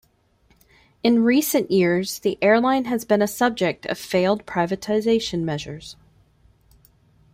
In recent years the airline has been a subject of failed privatisation measures.